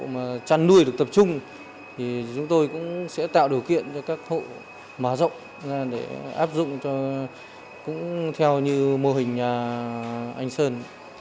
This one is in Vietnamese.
mà chăn nuôi được tập trung thì chúng tôi cũng sẽ tạo điều kiện cho các hộ mở rộng ra để áp dụng cho cũng theo như mô hình nhà anh sơn